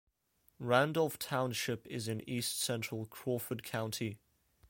Randolph Township is in east-central Crawford County.